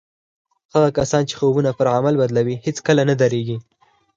هغه کسان چې خوبونه پر عمل بدلوي هېڅکله نه درېږي